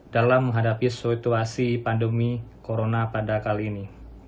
dalam menghadapi situasi pandemi corona pada kali ini